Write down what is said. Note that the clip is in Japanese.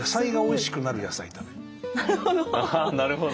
あなるほど。